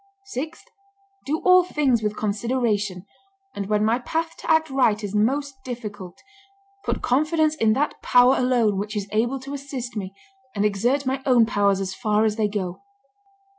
Sixth, Do all things with consideration, and when my path to act right is most difficult, put confidence in that Power alone which is able to assist me, and exert my own powers as far as they go."